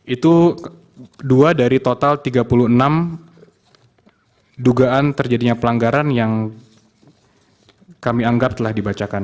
itu dua dari total tiga puluh enam dugaan terjadinya pelanggaran yang kami anggap telah dibacakan